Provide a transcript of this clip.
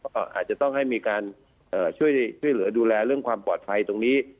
ก็อาจจะต้องให้มีการช่วยเหลือดูแลเรื่องความปลอดภัยตรงนี้